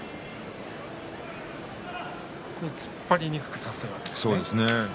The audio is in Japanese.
突っ張りにくくさせるわけですね。